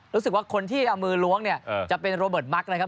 รู้สึกว่าคนที่เอามือล้วงเนี่ยจะเป็นโรเบิร์ตมักนะครับ